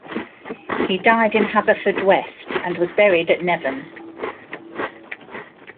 He died in Haverfordwest and was buried at Nevern.